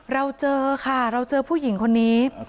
เราเจอค่ะเราเจอผู้หญิงคนนี้